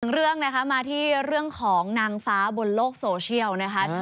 เรื่องนะคะมาที่เรื่องของนางฟ้าบนโลกโซเชียลนะคะ